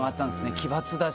奇抜だし。